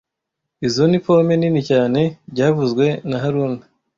Izo ni pome nini cyane byavuzwe na haruna